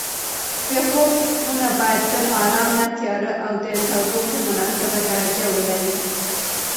د خوب خونه باید تل ارامه، تیاره او د تودوخې مناسبه درجه ولري.